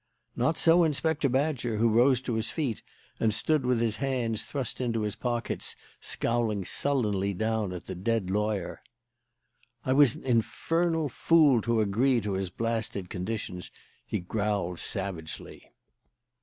Not so Inspector Badger; who rose to his feet and stood with his hands thrust into his pockets scowling sullenly down at the dead lawyer. "I was an infernal fool to agree to his blasted conditions," he growled savagely.